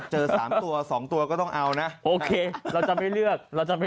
เจอ๓ตัว๒ตัวก็ต้องเอานะโอเคเราจะไม่เลือกเราจะไม่